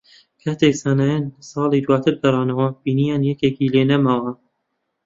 کاتێک زانایان ساڵی داواتر گەڕانەوە، بینییان یەکێکی لێ نەماوە